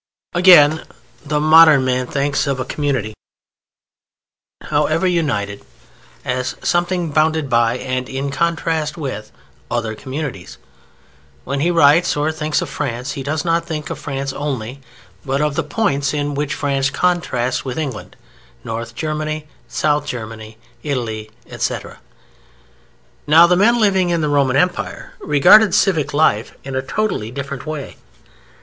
Again, the modern man thinks of a community, however united, as something bounded by, and in contrast with, other communities. When he writes or thinks of France he does not think of France only, but of the points in which France contrasts with England, North Germany, South Germany, Italy, etc. Now the men living in the Roman Empire regarded civic life in a totally different way.